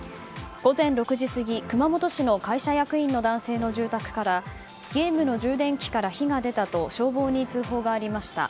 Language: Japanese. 午前６時過ぎ、熊本市の会社役員の男性の住宅からゲームの充電器から火が出たと消防に通報がありました。